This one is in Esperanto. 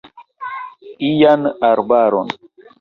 Ian arbaron.